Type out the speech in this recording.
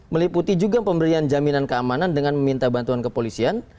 meliputi juga pemberian jaminan keamanan dengan meminta bantuan kepolisian